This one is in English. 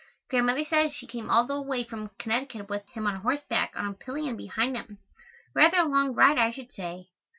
Grandmother says she came all the way from Connecticut with him on horseback on a pillion behind him. Rather a long ride, I should say.